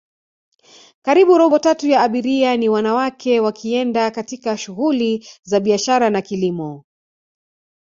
karibu robo tatu ya abiria ni wanawake wakienda katika shuguli za biashara na kilimo